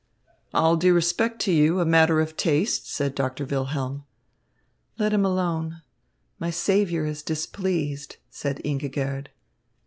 "All due respect to you, a matter of taste," said Doctor Wilhelm. "Let him alone. My saviour is displeased," said Ingigerd.